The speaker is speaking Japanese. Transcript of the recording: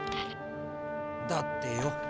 だってよ。